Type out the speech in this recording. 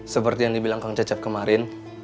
seperti yang dibilang kang cecep kemarin